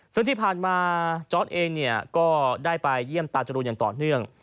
ซึ่งที่ผ่านมาจอร์ดเองเนี่ยก็ได้ไปเยี่ยมตาจรูนอย่างต่อเนื่อง